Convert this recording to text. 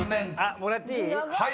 もらっていい？